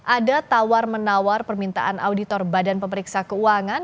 ada tawar menawar permintaan auditor badan pemeriksa keuangan